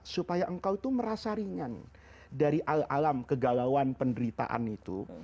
supaya engkau itu merasa ringan dari al alam kegalauan penderitaan itu